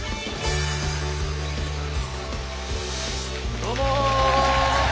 どうも！